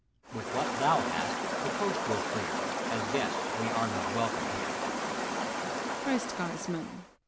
With what thou hast, the coast well dear: As goests we aie not wekome here. FIB8T GUARDSMAN.